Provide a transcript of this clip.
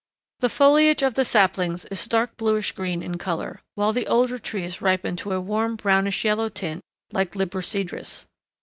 The foliage of the saplings is dark bluish green in color, while the older trees ripen to a warm brownish yellow tint like Libocedrus.